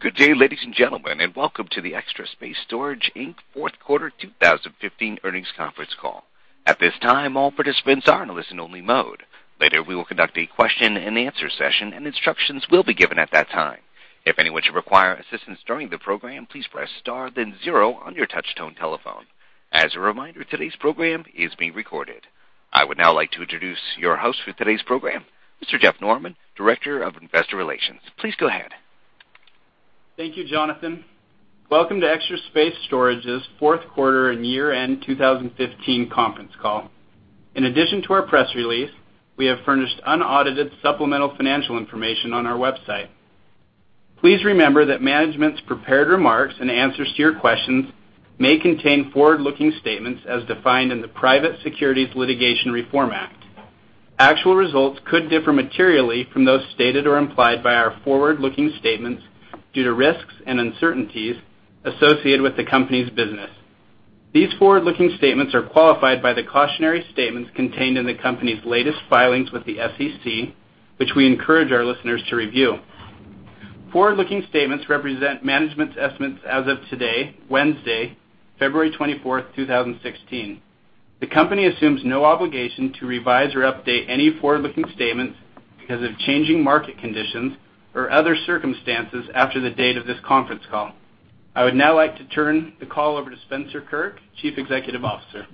Good day, ladies and gentlemen, and welcome to the Extra Space Storage Inc. fourth quarter 2015 earnings conference call. At this time, all participants are in a listen-only mode. Later, we will conduct a question-and-answer session and instructions will be given at that time. If anyone should require assistance during the program, please press star then zero on your touchtone telephone. As a reminder, today's program is being recorded. I would now like to introduce your host for today's program, Mr. Jeff Norman, Director of Investor Relations. Please go ahead. Thank you, Jonathan. Welcome to Extra Space Storage's fourth quarter and year-end 2015 conference call. In addition to our press release, we have furnished unaudited supplemental financial information on our website. Please remember that management's prepared remarks and answers to your questions may contain forward-looking statements as defined in the Private Securities Litigation Reform Act. Actual results could differ materially from those stated or implied by our forward-looking statements due to risks and uncertainties associated with the company's business. These forward-looking statements are qualified by the cautionary statements contained in the company's latest filings with the SEC, which we encourage our listeners to review. Forward-looking statements represent management's estimates as of today, Wednesday, February 24th, 2016. The company assumes no obligation to revise or update any forward-looking statements because of changing market conditions or other circumstances after the date of this conference call. I would now like to turn the call over to Spencer Kirk, Chief Executive Officer.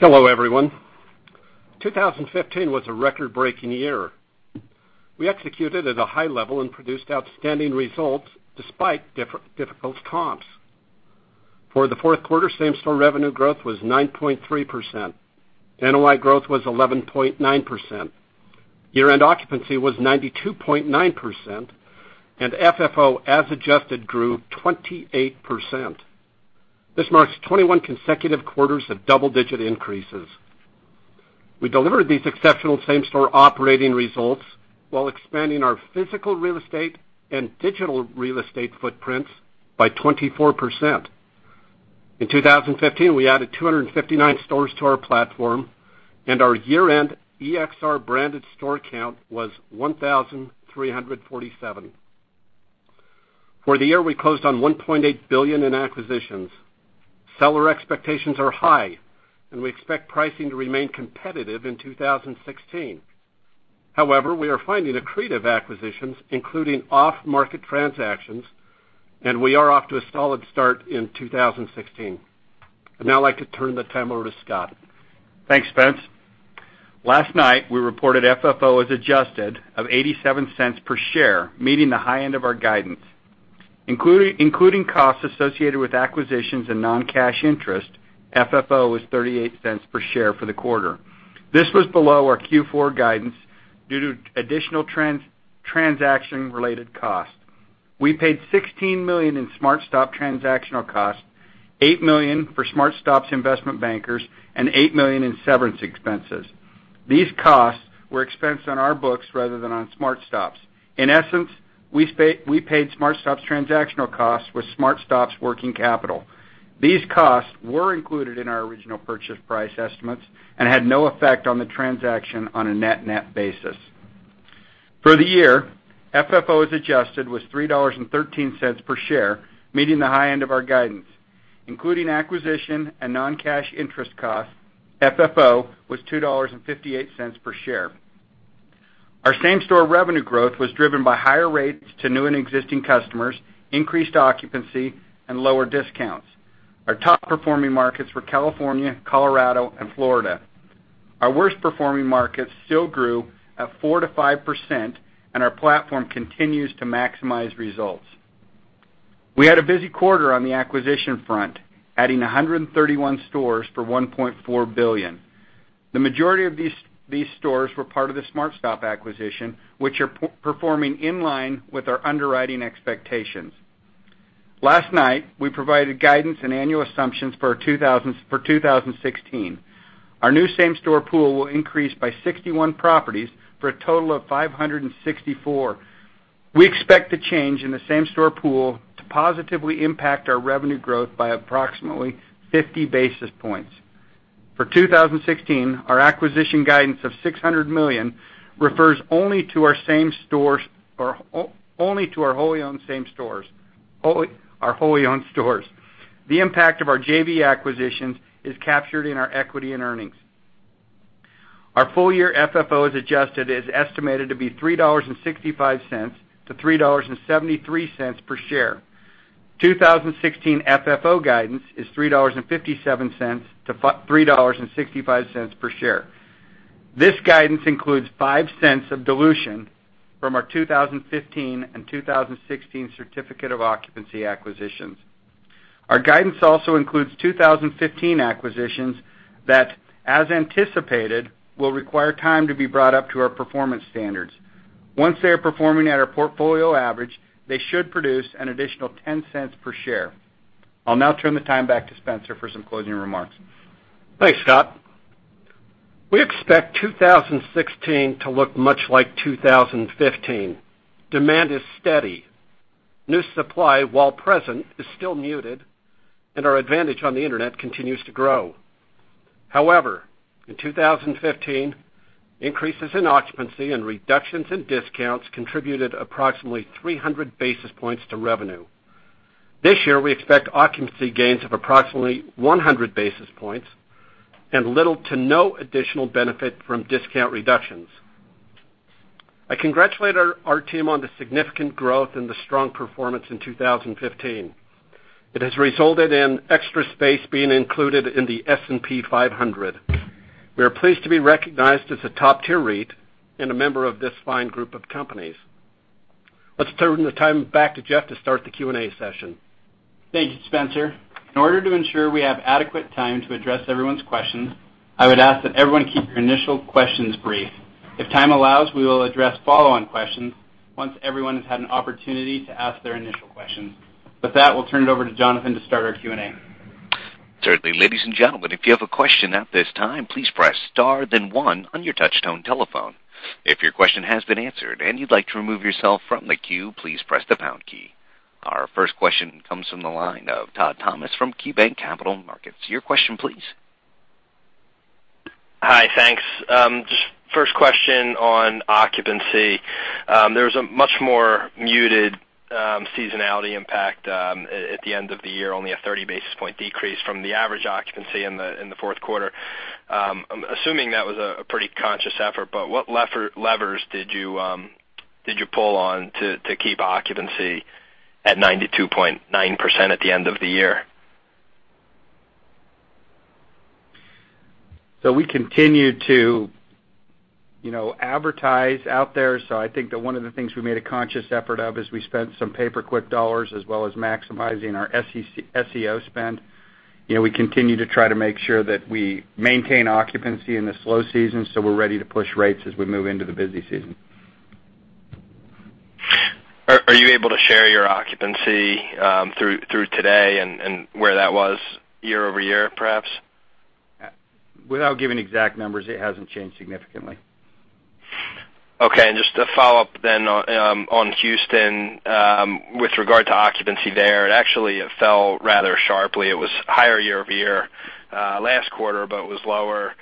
Hello, everyone. 2015 was a record-breaking year. We executed at a high level and produced outstanding results despite difficult comps. For the fourth quarter, same-store revenue growth was 9.3%. NOI growth was 11.9%. Year-end occupancy was 92.9%, and FFO, as adjusted, grew 28%. This marks 21 consecutive quarters of double-digit increases. We delivered these exceptional same-store operating results while expanding our physical real estate and digital real estate footprints by 24%. In 2015, we added 259 stores to our platform. Our year-end EXR branded store count was 1,347. For the year, we closed on $1.8 billion in acquisitions. Seller expectations are high, and we expect pricing to remain competitive in 2016. However, we are finding accretive acquisitions, including off-market transactions. We are off to a solid start in 2016. I'd now like to turn the time over to Scott. Thanks, Spence. Last night, we reported FFO as adjusted of $0.87 per share, meeting the high end of our guidance. Including costs associated with acquisitions and non-cash interest, FFO was $0.38 per share for the quarter. This was below our Q4 guidance due to additional transaction-related costs. We paid $16 million in SmartStop transactional costs, $8 million for SmartStop's investment bankers, and $8 million in severance expenses. These costs were expensed on our books rather than on SmartStop's. In essence, we paid SmartStop's transactional costs with SmartStop's working capital. These costs were included in our original purchase price estimates and had no effect on the transaction on a net-net basis. For the year, FFO as adjusted was $3.13 per share, meeting the high end of our guidance. Including acquisition and non-cash interest costs, FFO was $2.58 per share. Our same-store revenue growth was driven by higher rates to new and existing customers, increased occupancy, and lower discounts. Our top-performing markets were California, Colorado, and Florida. Our worst-performing markets still grew at 4%-5%, and our platform continues to maximize results. We had a busy quarter on the acquisition front, adding 131 stores for $1.4 billion. The majority of these stores were part of the SmartStop acquisition, which are performing in line with our underwriting expectations. Last night, we provided guidance and annual assumptions for 2016. Our new same-store pool will increase by 61 properties for a total of 564. We expect the change in the same-store pool to positively impact our revenue growth by approximately 50 basis points. For 2016, our acquisition guidance of $600 million refers only to our wholly owned stores. The impact of our JV acquisitions is captured in our equity and earnings. Our full-year FFO as adjusted is estimated to be $3.65-$3.73 per share. 2016 FFO guidance is $3.57-$3.65 per share. This guidance includes $0.05 of dilution from our 2015 and 2016 certificate of occupancy acquisitions. Our guidance also includes 2015 acquisitions that, as anticipated, will require time to be brought up to our performance standards. Once they are performing at our portfolio average, they should produce an additional $0.10 per share. I'll now turn the time back to Spencer for some closing remarks. Thanks, Scott. We expect 2016 to look much like 2015. Demand is steady. New supply, while present, is still muted, and our advantage on the internet continues to grow. However, in 2015, increases in occupancy and reductions in discounts contributed approximately 300 basis points to revenue. This year, we expect occupancy gains of approximately 100 basis points and little to no additional benefit from discount reductions. I congratulate our team on the significant growth and the strong performance in 2015. It has resulted in Extra Space being included in the S&P 500. We are pleased to be recognized as a top-tier REIT and a member of this fine group of companies. Let's turn the time back to Jeff to start the Q&A session. Thank you, Spencer. In order to ensure we have adequate time to address everyone's questions, I would ask that everyone keep your initial questions brief. If time allows, we will address follow-on questions once everyone has had an opportunity to ask their initial questions. With that, we'll turn it over to Jonathan to start our Q&A. Certainly. Ladies and gentlemen, if you have a question at this time, please press star then one on your touchtone telephone. If your question has been answered and you'd like to remove yourself from the queue, please press the pound key. Our first question comes from the line of Todd Thomas from KeyBanc Capital Markets. Your question please. Hi, thanks. Just first question on occupancy. There's a much more muted seasonality impact at the end of the year, only a 30 basis point decrease from the average occupancy in the fourth quarter. I'm assuming that was a pretty conscious effort, but what levers did you pull on to keep occupancy at 92.9% at the end of the year? We continued to advertise out there. I think that one of the things we made a conscious effort of is we spent some Pay-per-click dollars as well as maximizing our SEO spend. We continue to try to make sure that we maintain occupancy in the slow season, we're ready to push rates as we move into the busy season. Are you able to share your occupancy through today and where that was year-over-year, perhaps? Without giving exact numbers, it hasn't changed significantly. Okay. Just a follow-up then on Houston, with regard to occupancy there, it actually fell rather sharply. It was higher year-over-year, last quarter, but was lower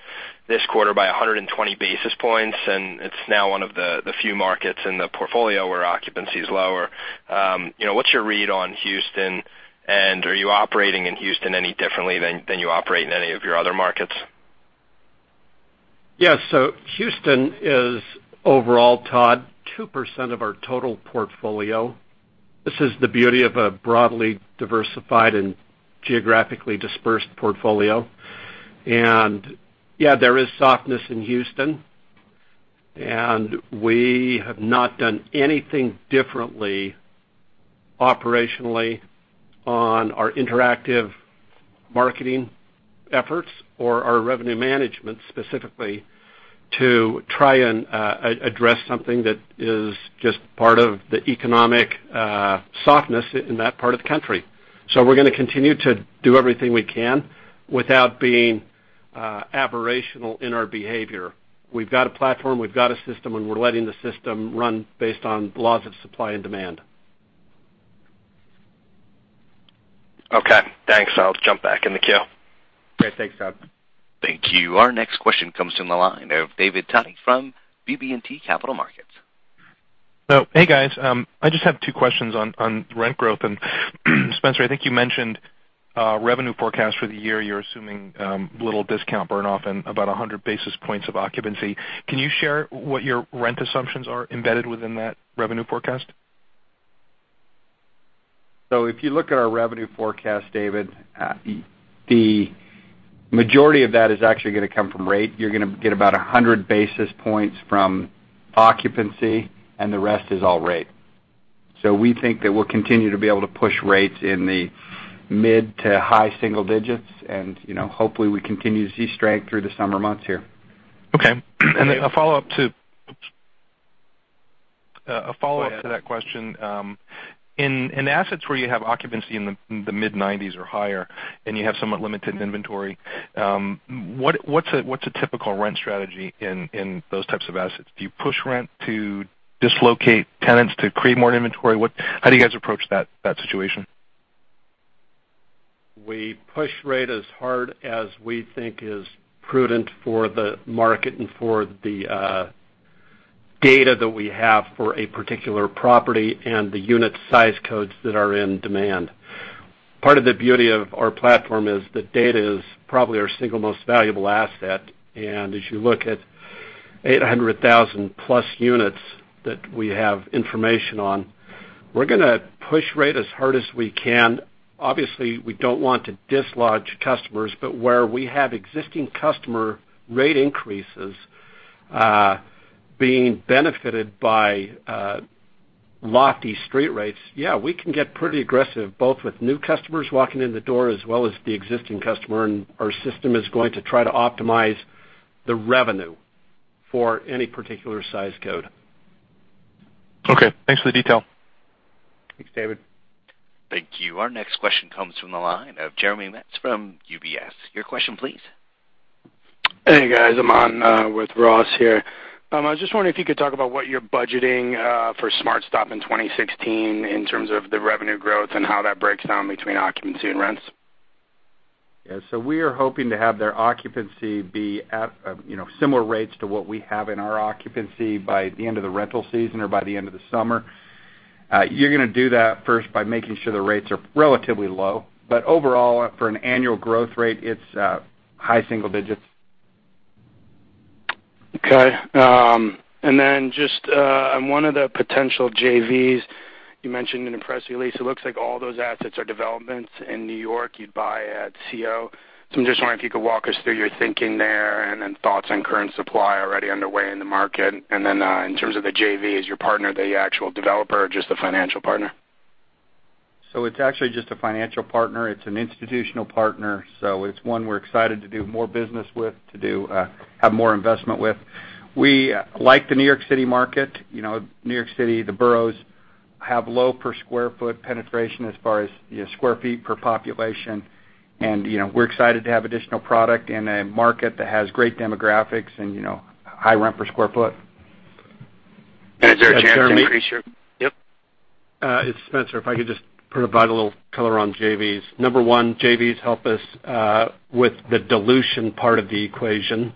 this quarter by 120 basis points, and it's now one of the few markets in the portfolio where occupancy is lower. What's your read on Houston, and are you operating in Houston any differently than you operate in any of your other markets? Yeah. Houston is overall, Todd, 2% of our total portfolio. This is the beauty of a broadly diversified and geographically dispersed portfolio. Yeah, there is softness in Houston, and we have not done anything differently operationally on our interactive marketing efforts or our revenue management specifically to try and address something that is just part of the economic softness in that part of the country. We're going to continue to do everything we can without being aberrational in our behavior. We've got a platform, we've got a system, and we're letting the system run based on laws of supply and demand. Okay, thanks. I'll jump back in the queue. Okay, thanks, Todd. Thank you. Our next question comes from the line of David Toti from BB&T Capital Markets. Hey, guys. I just have two questions on rent growth. Spencer, I think you mentioned revenue forecast for the year. You're assuming little discount burn-off and about 100 basis points of occupancy. Can you share what your rent assumptions are embedded within that revenue forecast? If you look at our revenue forecast, David, the majority of that is actually going to come from rate. You're going to get about 100 basis points from occupancy, and the rest is all rate. We think that we'll continue to be able to push rates in the mid to high single digits, and hopefully, we continue to see strength through the summer months here. Okay. A follow-up to that question. Go ahead. In assets where you have occupancy in the mid-90s or higher and you have somewhat limited inventory, what's a typical rent strategy in those types of assets? Do you push rent to dislocate tenants to create more inventory? How do you guys approach that situation? We push rate as hard as we think is prudent for the market and for the data that we have for a particular property and the unit size codes that are in demand. Part of the beauty of our platform is that data is probably our single most valuable asset, and as you look at 800,000 plus units that we have information on, we're going to push rate as hard as we can. Obviously, we don't want to dislodge customers, but where we have existing customer rate increases being benefited by lofty street rates, yeah, we can get pretty aggressive, both with new customers walking in the door as well as the existing customer, and our system is going to try to optimize the revenue for any particular size code. Okay, thanks for the detail. Thanks, David. Thank you. Our next question comes from the line of Jeremy Metz from UBS. Your question, please. Hey, guys. Aman with Ross here. I was just wondering if you could talk about what you're budgeting for SmartStop in 2016 in terms of the revenue growth and how that breaks down between occupancy and rents. Yeah. We are hoping to have their occupancy be at similar rates to what we have in our occupancy by the end of the rental season or by the end of the summer. You're going to do that first by making sure the rates are relatively low. Overall, for an annual growth rate, it's high single digits. Okay. Just on one of the potential JVs you mentioned in the press release, it looks like all those assets are developments in New York you'd buy at CO. I'm just wondering if you could walk us through your thinking there. Thoughts on current supply already underway in the market. In terms of the JV, is your partner, the actual developer or just the financial partner? It's actually just a financial partner. It's an institutional partner. It's one we're excited to do more business with, to have more investment with. We like the New York City market. New York City, the boroughs, have low per square foot penetration as far as square feet per population. We're excited to have additional product in a market that has great demographics and high rent per square foot. Is there a chance to increase your- Jeremy? Yep. It's Spencer. If I could just provide a little color on JVs. Number 1, JVs help us with the dilution part of the equation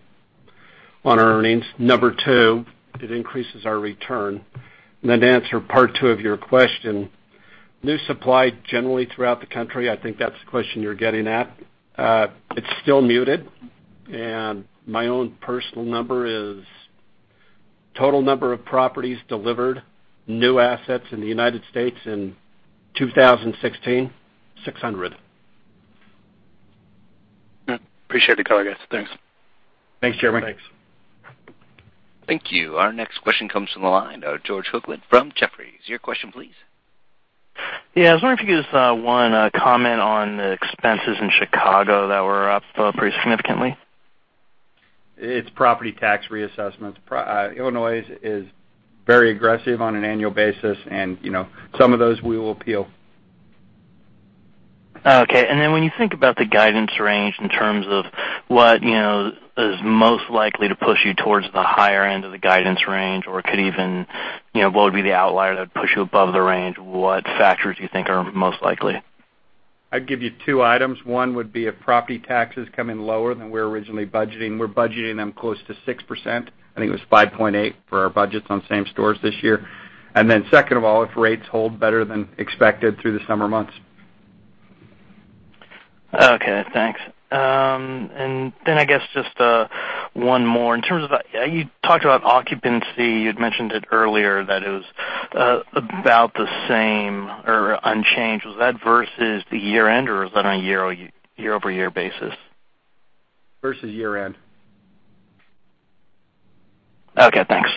on our earnings. Number 2, it increases our return. Then to answer part two of your question, new supply generally throughout the country, I think that's the question you're getting at. It's still muted, and my own personal number is total number of properties delivered, new assets in the United States in 2016, 600. Appreciate the color, guys. Thanks. Thanks, Jeremy. Thanks. Thank you. Our next question comes from the line of George Hoglund from Jefferies. Your question, please. Yeah, I was wondering if you could just, one, comment on the expenses in Chicago that were up pretty significantly. It's property tax reassessments. Illinois is very aggressive on an annual basis and some of those we will appeal. Okay. Then when you think about the guidance range in terms of what is most likely to push you towards the higher end of the guidance range or what would be the outlier that would push you above the range? What factors do you think are most likely? I'd give you two items. One would be if property taxes come in lower than we're originally budgeting. We're budgeting them close to 6%. I think it was 5.8% for our budgets on same stores this year. Second of all, if rates hold better than expected through the summer months. Okay, thanks. I guess just one more. In terms of occupancy, you'd mentioned it earlier that it was about the same or unchanged. Was that versus the year-end or is that on a year-over-year basis? Versus year-end. Okay, thanks.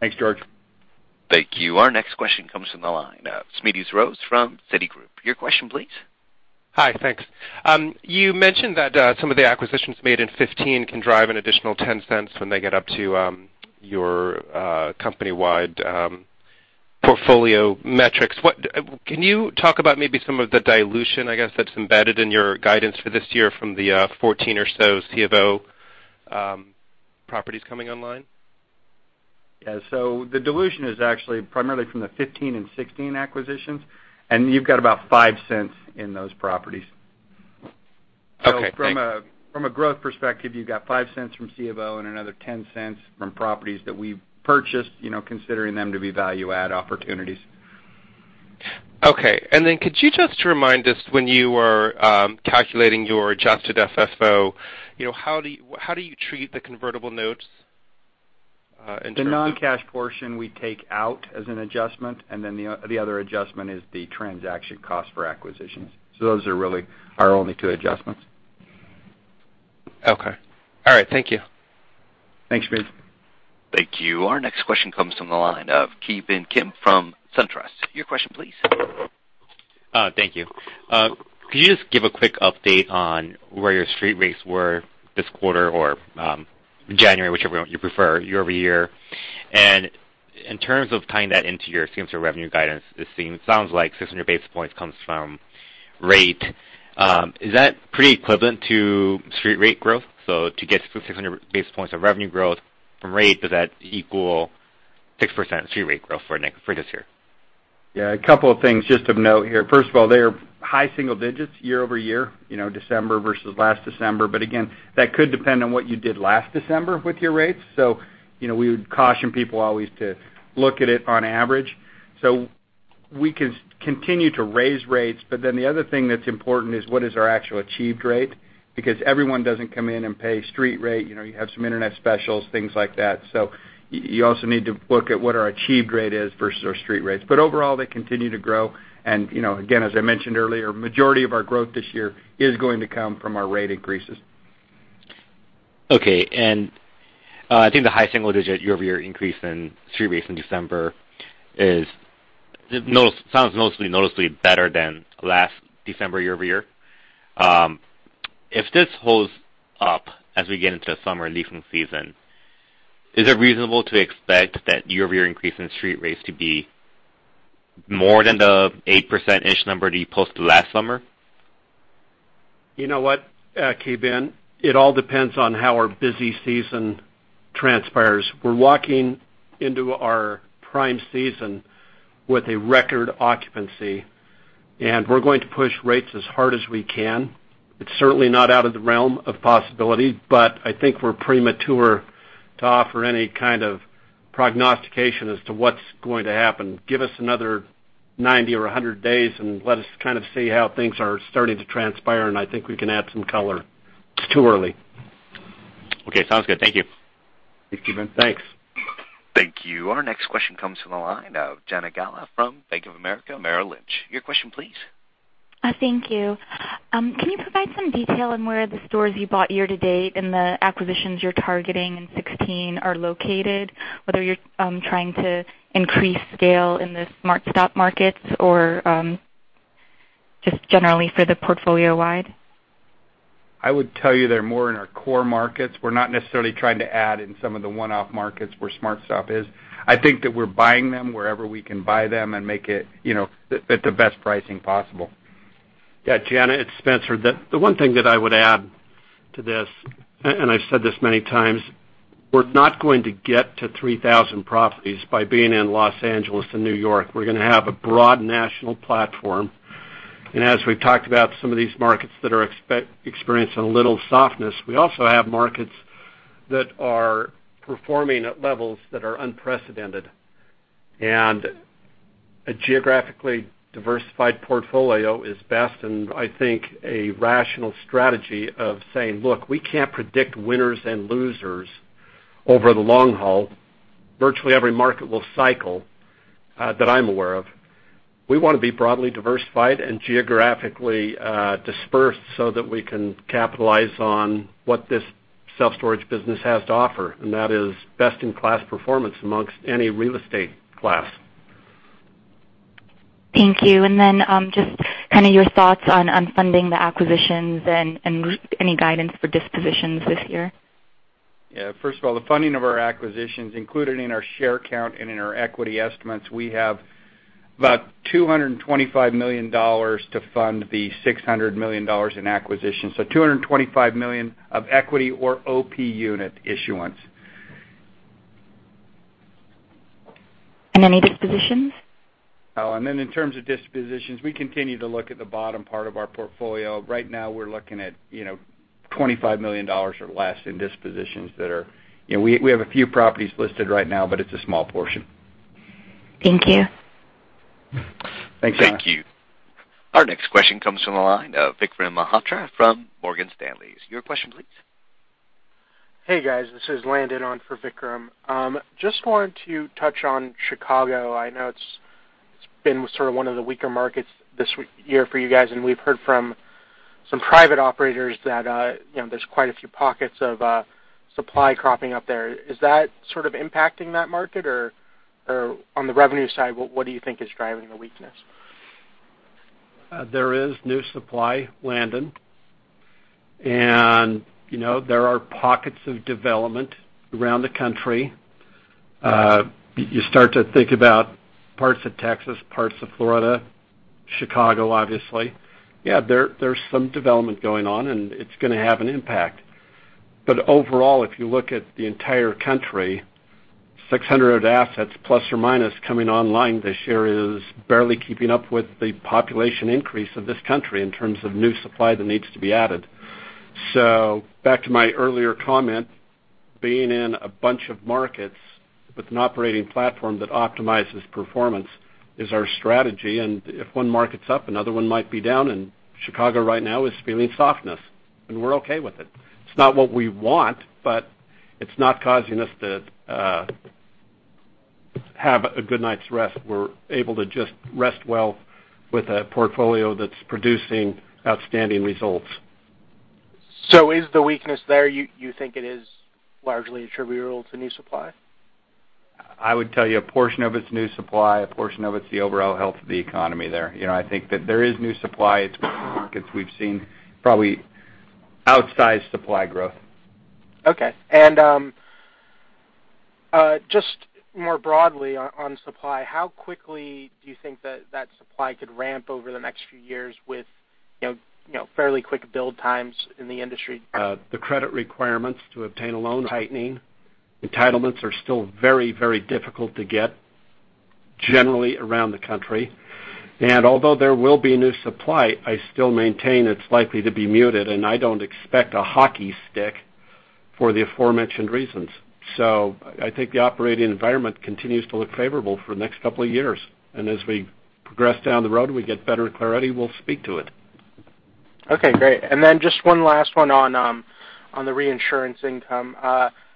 Thanks, George. Thank you. Our next question comes from the line of Smedes Rose from Citigroup. Your question, please. Hi. Thanks. You mentioned that some of the acquisitions made in 2015 can drive an additional $0.10 when they get up to your company-wide portfolio metrics. Can you talk about maybe some of the dilution, I guess, that's embedded in your guidance for this year from the 14 or so C of O properties coming online? Yeah. The dilution is actually primarily from the 2015 and 2016 acquisitions, and you've got about $0.05 in those properties. Okay, thanks. From a growth perspective, you've got $0.05 from C of O and another $0.10 from properties that we've purchased, considering them to be value-add opportunities. Okay. Then could you just remind us, when you are calculating your adjusted FFO, how do you treat the convertible notes in terms of- The non-cash portion we take out as an adjustment, then the other adjustment is the transaction cost for acquisitions. Those are really our only two adjustments. Okay. All right. Thank you. Thanks, Smedes. Thank you. Our next question comes from the line of Ki Bin Kim from SunTrust. Your question, please. Thank you. Could you just give a quick update on where your street rates were this quarter or January, whichever one you prefer, year-over-year? In terms of tying that into your same store revenue guidance, it sounds like 600 basis points comes from rate. Is that pretty equivalent to street rate growth? So to get 600 basis points of revenue growth from rate, does that equal 6% street rate growth for this year? Yeah. A couple of things just of note here. First of all, they are high single digits year-over-year, December versus last December. Again, that could depend on what you did last December with your rates. We would caution people always to look at it on average. We can continue to raise rates, but then the other thing that's important is what is our actual achieved rate, because everyone doesn't come in and pay street rate. You have some internet specials, things like that. You also need to look at what our achieved rate is versus our street rates. Overall, they continue to grow. Again, as I mentioned earlier, majority of our growth this year is going to come from our rate increases. Okay. I think the high single digit year-over-year increase in street rates in December sounds noticeably better than last December year-over-year. If this holds up as we get into summer leasing season, is it reasonable to expect that year-over-year increase in street rates to be More than the 8%-ish number that you posted last summer? You know what, Ki Bin? It all depends on how our busy season transpires. We're walking into our prime season with a record occupancy, and we're going to push rates as hard as we can. It's certainly not out of the realm of possibility, but I think we're premature to offer any kind of prognostication as to what's going to happen. Give us another 90 or 100 days and let us kind of see how things are starting to transpire, and I think we can add some color. It's too early. Okay, sounds good. Thank you. Thanks, Ki Bin. Thank you. Our next question comes from the line of Jana Galan from Bank of America Merrill Lynch. Your question please. Thank you. Can you provide some detail on where the stores you bought year to date and the acquisitions you're targeting in 2016 are located, whether you're trying to increase scale in the SmartStop markets or just generally for the portfolio-wide? I would tell you they're more in our core markets. We're not necessarily trying to add in some of the one-off markets where SmartStop is. I think that we're buying them wherever we can buy them and make it at the best pricing possible. Jana, it's Spencer. The one thing that I would add to this, and I've said this many times, we're not going to get to 3,000 properties by being in Los Angeles and New York. We're going to have a broad national platform, as we've talked about some of these markets that are experiencing a little softness, we also have markets that are performing at levels that are unprecedented. A geographically diversified portfolio is best, and I think a rational strategy of saying, "Look, we can't predict winners and losers over the long haul." Virtually every market will cycle, that I'm aware of. We want to be broadly diversified and geographically dispersed so that we can capitalize on what this self-storage business has to offer, and that is best-in-class performance amongst any real estate class. Thank you, then, just kind of your thoughts on funding the acquisitions and any guidance for dispositions this year. First of all, the funding of our acquisitions included in our share count and in our equity estimates. We have about $225 million to fund the $600 million in acquisitions. $225 million of equity or OP unit issuance. Any dispositions? In terms of dispositions, we continue to look at the bottom part of our portfolio. Right now, we're looking at $25 million or less in dispositions. We have a few properties listed right now, but it's a small portion. Thank you. Thanks, Jenna. Thank you. Our next question comes from the line of Vikram Malhotra from Morgan Stanley. Your question please. Hey, guys. This is Landon on for Vikram. Just wanted to touch on Chicago. I know it's been sort of one of the weaker markets this year for you guys, and we've heard from some private operators that there's quite a few pockets of supply cropping up there. Is that sort of impacting that market, or on the revenue side, what do you think is driving the weakness? There is new supply, Landon, and there are pockets of development around the country. You start to think about parts of Texas, parts of Florida, Chicago, obviously. Yeah, there's some development going on, and it's going to have an impact. Overall, if you look at the entire country, 600 assets, plus or minus, coming online this year is barely keeping up with the population increase of this country in terms of new supply that needs to be added. Back to my earlier comment, being in a bunch of markets with an operating platform that optimizes performance is our strategy, and if one market's up, another one might be down, and Chicago right now is feeling softness, and we're okay with it. It's not what we want, but it's not causing us to have a good night's rest. We're able to just rest well with a portfolio that's producing outstanding results. Is the weakness there, you think it is largely attributable to new supply? I would tell you a portion of it's new supply, a portion of it's the overall health of the economy there. I think that there is new supply. It's markets we've seen, probably outsized supply growth. Okay. Just more broadly on supply, how quickly do you think that that supply could ramp over the next few years with fairly quick build times in the industry? The credit requirements to obtain a loan are tightening. Entitlements are still very, very difficult to get, generally around the country. Although there will be new supply, I still maintain it's likely to be muted, and I don't expect a hockey stick for the aforementioned reasons. I think the operating environment continues to look favorable for the next couple of years. As we progress down the road and we get better clarity, we'll speak to it. Okay, great. Just one last one on the reinsurance income.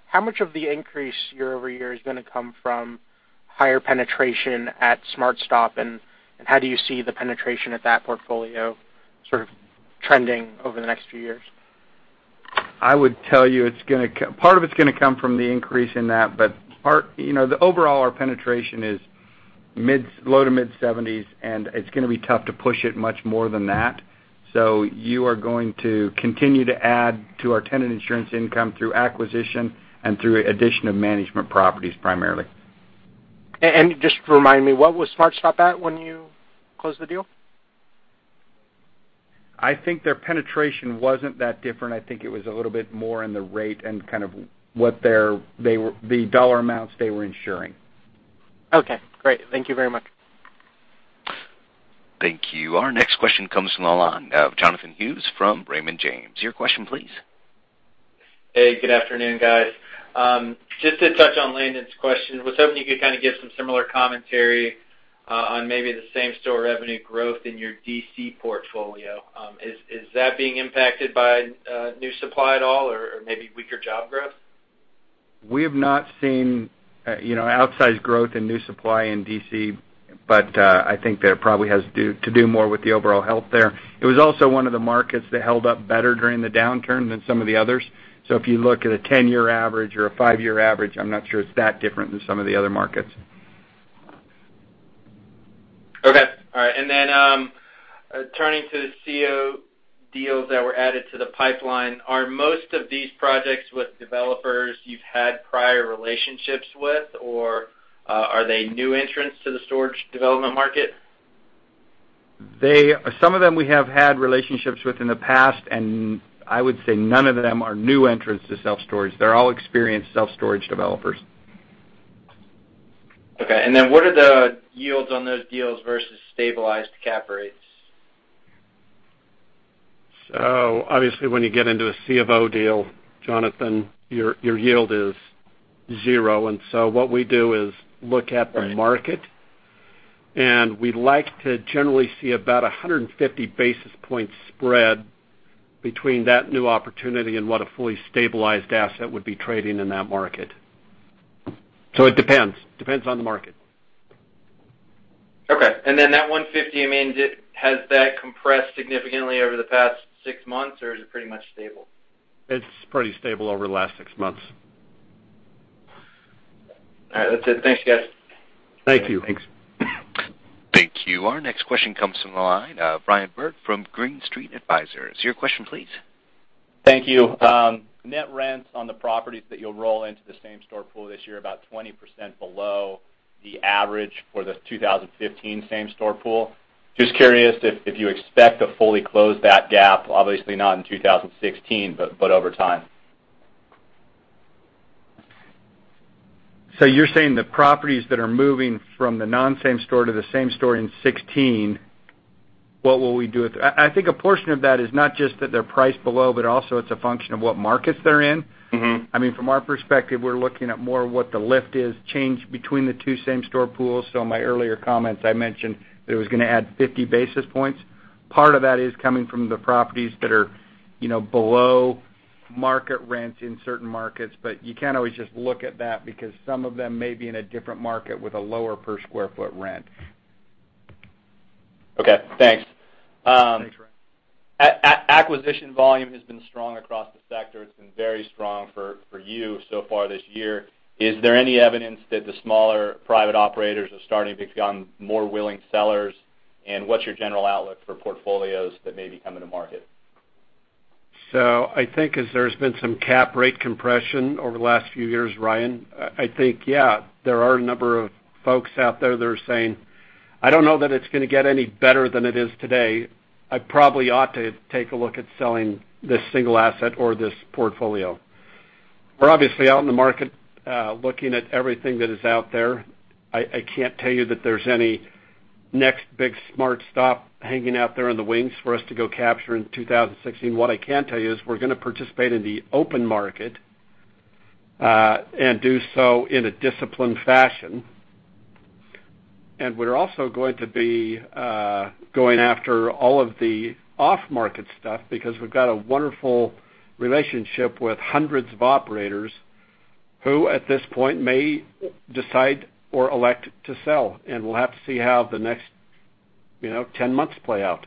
How much of the increase year-over-year is going to come from higher penetration at SmartStop, and how do you see the penetration at that portfolio sort of trending over the next few years? I would tell you part of it's going to come from the increase in that, the overall our penetration is low to mid-70s, and it's going to be tough to push it much more than that. You are going to continue to add to our tenant insurance income through acquisition and through addition of management properties primarily. Just remind me, what was SmartStop at when you closed the deal? I think their penetration wasn't that different. I think it was a little bit more in the rate and kind of what the dollar amounts they were insuring. Okay, great. Thank you very much. Thank you. Our next question comes from the line of Jonathan Hughes from Raymond James. Your question, please. Hey, good afternoon, guys. Just to touch on Landon's question, I was hoping you could kind of give some similar commentary on maybe the same-store revenue growth in your D.C. portfolio. Is that being impacted by new supply at all or maybe weaker job growth? We have not seen outsized growth in new supply in D.C., but I think that it probably has to do more with the overall health there. It was also one of the markets that held up better during the downturn than some of the others. If you look at a 10-year average or a five-year average, I'm not sure it's that different than some of the other markets. Okay. All right. Turning to the CO deals that were added to the pipeline, are most of these projects with developers you've had prior relationships with, or are they new entrants to the storage development market? Some of them we have had relationships with in the past. I would say none of them are new entrants to self-storage. They're all experienced self-storage developers. Okay. What are the yields on those deals versus stabilized cap rates? Obviously, when you get into a C of O deal, Jonathan, your yield is zero. What we do is look at the market, and we like to generally see about 150 basis points spread between that new opportunity and what a fully stabilized asset would be trading in that market. It depends. Depends on the market. Okay. Then that one-fifty, you mean, has that compressed significantly over the past six months, or is it pretty much stable? It's pretty stable over the last six months. All right, that's it. Thanks, guys. Thank you. Thank you. Our next question comes from the line of Ryan Burke from Green Street Advisors. Your question please. Thank you. Net rents on the properties that you'll roll into the same-store pool this year, about 20% below the average for the 2015 same-store pool. Just curious if you expect to fully close that gap, obviously not in 2016, but over time. You're saying the properties that are moving from the non-same store to the same store in 2016, what will we do with I think a portion of that is not just that they're priced below, but also it's a function of what markets they're in. From our perspective, we're looking at more what the lift is, change between the two same-store pools. In my earlier comments, I mentioned that it was going to add 50 basis points. Part of that is coming from the properties that are below market rents in certain markets. You can't always just look at that because some of them may be in a different market with a lower per square foot rent. Okay, thanks. Thanks, Ryan. Acquisition volume has been strong across the sector. It's been very strong for you so far this year. Is there any evidence that the smaller private operators are starting to become more willing sellers? What's your general outlook for portfolios that may be coming to market? I think as there's been some cap rate compression over the last few years, Ryan, I think, yeah, there are a number of folks out there that are saying, "I don't know that it's going to get any better than it is today. I probably ought to take a look at selling this single asset or this portfolio." We're obviously out in the market, looking at everything that is out there. I can't tell you that there's any next big SmartStop hanging out there in the wings for us to go capture in 2016. What I can tell you is we're going to participate in the open market and do so in a disciplined fashion. We're also going to be going after all of the off-market stuff because we've got a wonderful relationship with hundreds of operators, who at this point, may decide or elect to sell, and we'll have to see how the next 10 months play out.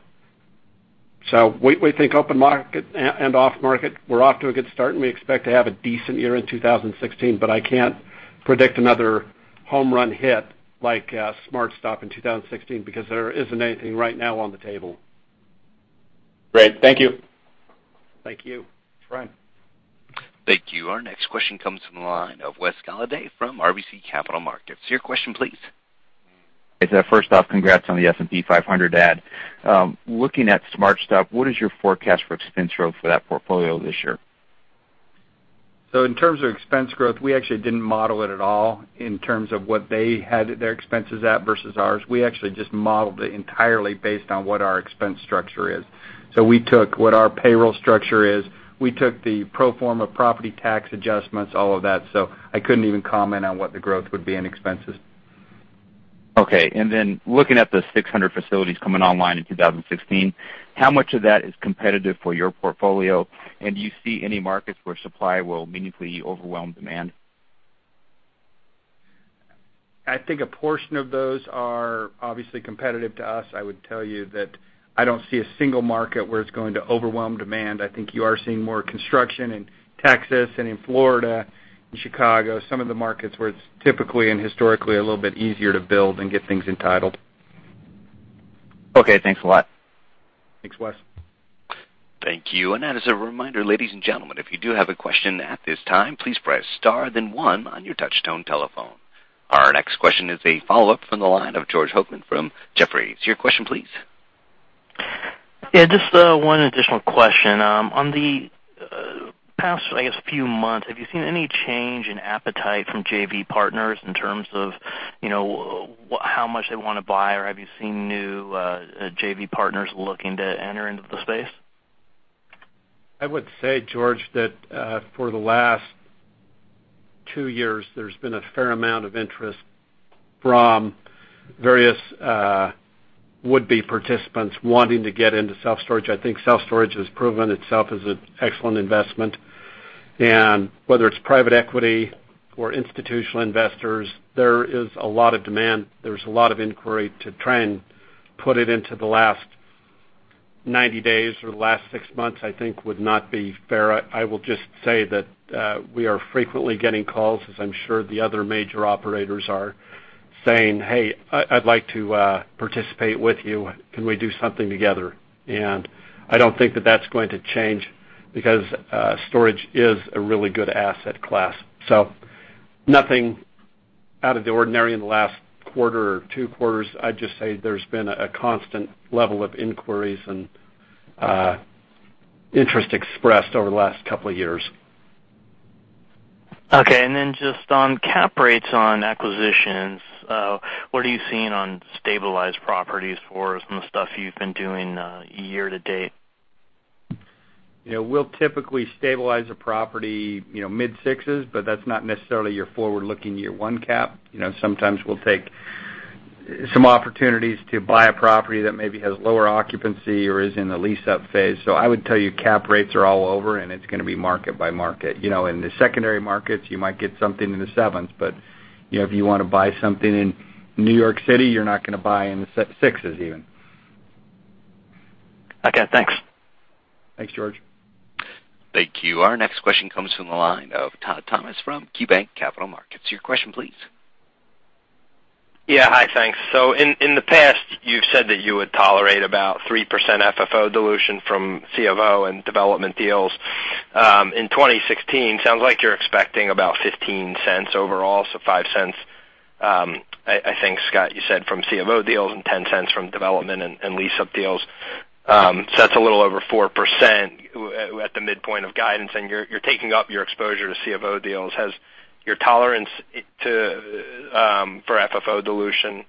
We think open market and off market, we're off to a good start, and we expect to have a decent year in 2016. I can't predict another home run hit like SmartStop in 2016 because there isn't anything right now on the table. Great. Thank you. Thank you. Thank you. Our next question comes from the line of Wes Golladay from RBC Capital Markets. Your question, please. First off, congrats on the S&P 500 add. Looking at SmartStop, what is your forecast for expense growth for that portfolio this year? In terms of expense growth, we actually didn't model it at all in terms of what they had their expenses at versus ours. We actually just modeled it entirely based on what our expense structure is. We took what our payroll structure is. We took the pro forma property tax adjustments, all of that. I couldn't even comment on what the growth would be in expenses. Okay. Looking at the 600 facilities coming online in 2016, how much of that is competitive for your portfolio? Do you see any markets where supply will meaningfully overwhelm demand? I think a portion of those are obviously competitive to us. I would tell you that I don't see a single market where it's going to overwhelm demand. I think you are seeing more construction in Texas and in Florida, in Chicago, some of the markets where it's typically and historically a little bit easier to build and get things entitled. Okay, thanks a lot. Thanks, Wes. Thank you. As a reminder, ladies and gentlemen, if you do have a question at this time, please press star then one on your touchtone telephone. Our next question is a follow-up from the line of George Hoglund from Jefferies. Your question, please. Yeah, just one additional question. On the past, I guess, few months, have you seen any change in appetite from JV partners in terms of how much they want to buy? Have you seen new JV partners looking to enter into the space? I would say, George, that for the last two years, there's been a fair amount of interest from various would-be participants wanting to get into self-storage. I think self-storage has proven itself as an excellent investment. Whether it's private equity or institutional investors, there is a lot of demand. There's a lot of inquiry to try and put it into the last 90 days or the last six months, I think, would not be fair. I will just say that we are frequently getting calls, as I'm sure the other major operators are, saying, "Hey, I'd like to participate with you. Can we do something together?" I don't think that that's going to change because storage is a really good asset class. Nothing out of the ordinary in the last quarter or two quarters. I'd just say there's been a constant level of inquiries and interest expressed over the last couple of years. Okay, just on cap rates on acquisitions, what are you seeing on stabilized properties for some of the stuff you've been doing year to date? We'll typically stabilize a property mid-sixes, but that's not necessarily your forward-looking year one cap. Sometimes we'll take some opportunities to buy a property that maybe has lower occupancy or is in the lease-up phase. I would tell you cap rates are all over, and it's going to be market by market. In the secondary markets, you might get something in the sevens, but if you want to buy something in New York City, you're not going to buy in the sixes even. Okay, thanks. Thanks, George. Thank you. Our next question comes from the line of Todd Thomas from KeyBanc Capital Markets. Your question, please. Yeah, hi. Thanks. In the past, you've said that you would tolerate about 3% FFO dilution from C of O and development deals. In 2016, sounds like you're expecting about $0.15 overall, so $0.05, I think, Scott, you said from C of O deals and $0.10 from development and lease-up deals. That's a little over 4% at the midpoint of guidance, and you're taking up your exposure to C of O deals. Has your tolerance for FFO dilution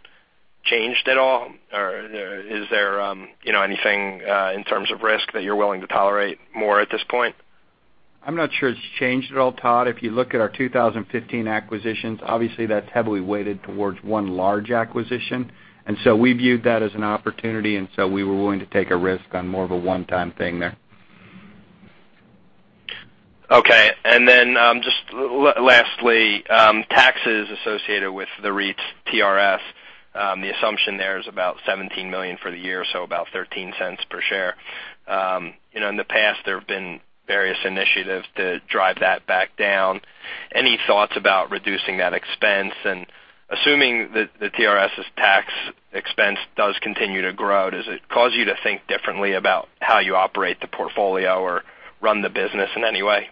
changed at all? Or is there anything in terms of risk that you're willing to tolerate more at this point? I'm not sure it's changed at all, Todd. If you look at our 2015 acquisitions, obviously, that's heavily weighted towards one large acquisition. We viewed that as an opportunity, and so we were willing to take a risk on more of a one-time thing there. Okay. Just lastly, taxes associated with the REIT's TRS. The assumption there is about $17 million for the year, so about $0.13 per share. In the past, there have been various initiatives to drive that back down. Any thoughts about reducing that expense? Assuming that the TRS' tax expense does continue to grow, does it cause you to think differently about how you operate the portfolio or run the business in any way?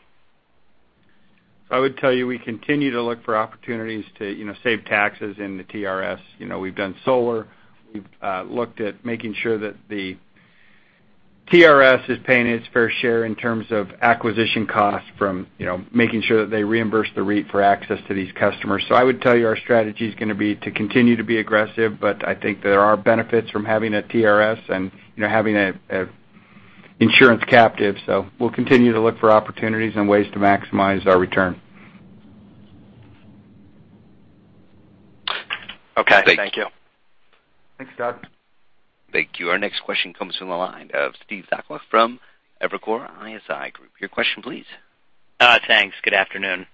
I would tell you, we continue to look for opportunities to save taxes in the TRS. We've done solar. We've looked at making sure that the TRS is paying its fair share in terms of acquisition costs from making sure that they reimburse the REIT for access to these customers. I would tell you our strategy is going to be to continue to be aggressive, but I think there are benefits from having a TRS and having an insurance captive. We'll continue to look for opportunities and ways to maximize our return. Okay. Thank you. Thanks, Todd. Thank you. Our next question comes from the line of Steve Sakwa from Evercore ISI. Your question, please. Thanks. Good afternoon.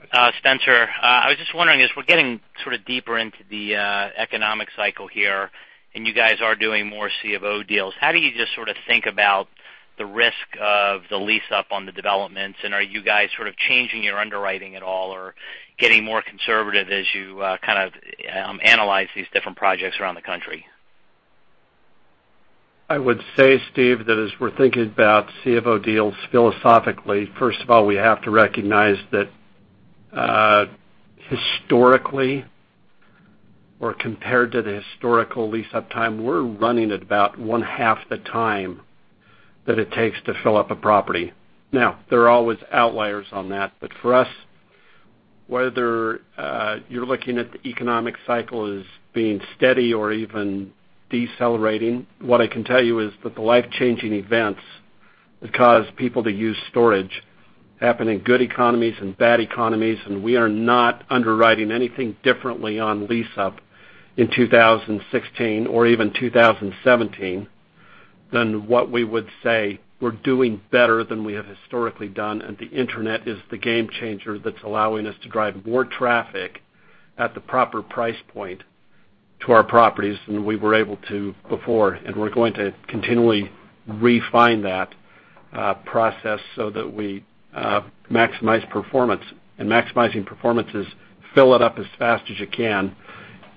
Good afternoon. Spencer, I was just wondering, as we're getting sort of deeper into the economic cycle here and you guys are doing more C of O deals, how do you just sort of think about the risk of the lease-up on the developments? Are you guys sort of changing your underwriting at all or getting more conservative as you kind of analyze these different projects around the country? I would say, Steve, that as we're thinking about C of O deals philosophically, first of all, we have to recognize that historically, or compared to the historical lease-up time, we're running at about one half the time that it takes to fill up a property. There are always outliers on that. For us, whether you're looking at the economic cycle as being steady or even decelerating, what I can tell you is that the life-changing events that cause people to use storage happen in good economies and bad economies, and we are not underwriting anything differently on lease-up in 2016 or even 2017 than what we would say we're doing better than we have historically done. The internet is the game changer that's allowing us to drive more traffic at the proper price point to our properties than we were able to before. We're going to continually refine that process so that we maximize performance. Maximizing performance is fill it up as fast as you can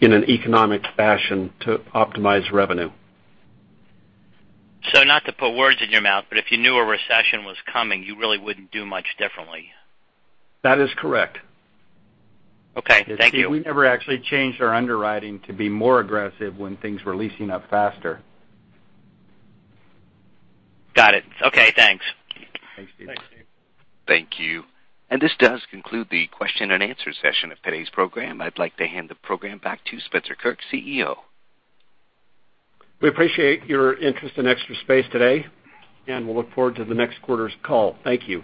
in an economic fashion to optimize revenue. Not to put words in your mouth, but if you knew a recession was coming, you really wouldn't do much differently. That is correct. Okay. Thank you. See, we never actually changed our underwriting to be more aggressive when things were leasing up faster. Got it. Okay, thanks. Thanks, Steve. Thank you. This does conclude the question and answer session of today's program. I'd like to hand the program back to Spencer Kirk, CEO. We appreciate your interest in Extra Space today, and we'll look forward to the next quarter's call. Thank you.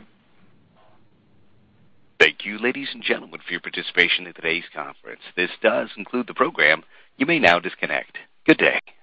Thank you, ladies and gentlemen, for your participation in today's conference. This does conclude the program. You may now disconnect. Good day.